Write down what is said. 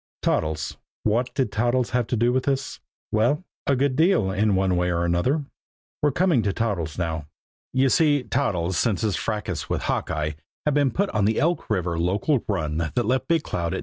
Toddles? What did Toddles have to do with this? Well, a good deal, in one way and another. We're coming to Toddles now. You see, Toddles, since his fracas with Hawkeye, had been put on the Elk River local run that left Big Cloud at 9.